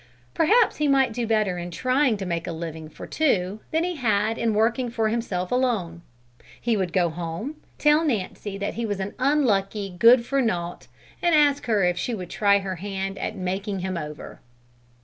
perhaps he might do better in trying to make a living for two than he had in working for himself alone. He would go home, tell Nancy that he was an unlucky good for naught, and ask her if she would try her hand at making him over.